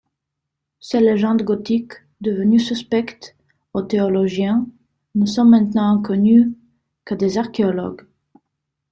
Ces légendes gothiques, devenues suspectes aux théologiens, ne sont maintenant connues que des archéologues.